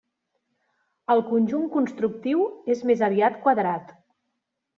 El conjunt constructiu és més aviat quadrat.